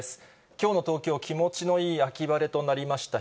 きょうの東京は気持ちのいい秋晴れとなりました。